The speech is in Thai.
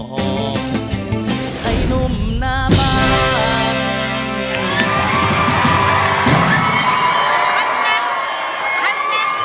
ไอ้นุ่มหน้าบ้าน